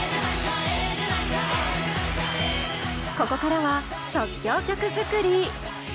ここからは即興曲作り。